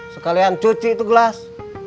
sekalian cuci itu gelas